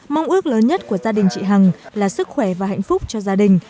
mong ước lớn nhất của gia đình chị hằng là sức khỏe và hạnh phúc cho gia đình